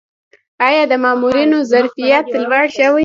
آیا د مامورینو ظرفیت لوړ شوی؟